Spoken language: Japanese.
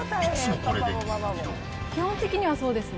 基本的にはそうですね。